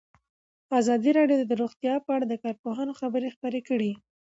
ازادي راډیو د روغتیا په اړه د کارپوهانو خبرې خپرې کړي.